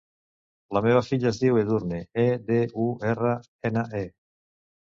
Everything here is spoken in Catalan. La meva filla es diu Edurne: e, de, u, erra, ena, e.